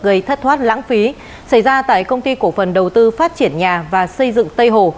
gây thất thoát lãng phí xảy ra tại công ty cổ phần đầu tư phát triển nhà và xây dựng tây hồ